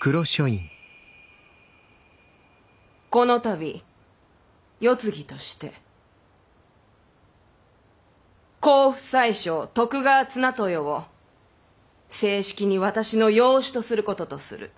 この度世継ぎとして甲府宰相徳川綱豊を正式に私の養子とすることとする。